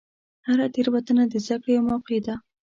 هره تېروتنه د زدهکړې یوه موقع ده.